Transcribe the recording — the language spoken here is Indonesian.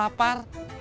gak mau lapar